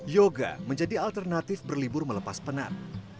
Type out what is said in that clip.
yoga menjadi alternatif berlibur melepas penat